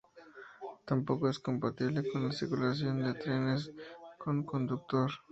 Tampoco es compatible con la circulación de trenes con conductor.